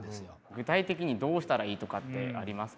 具体的にどうしたらいいとかってありますか？